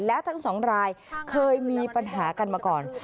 และทั้งสองรายเคยมีปัญหากันมาก่อน